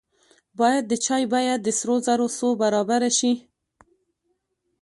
باید د چای بیه د سرو زرو څو برابره شي.